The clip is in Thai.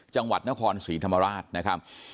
จังหวัดนครศรีธรรมราชนะครับ